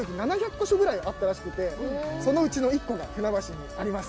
カ所ぐらいあったらしくてそのうちの１個が船橋にあります。